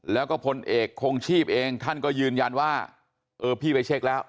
แล้วก็พลเอกคงชีพเองท่านก็ยืนยันว่าเออพี่ไปเช็คแล้ว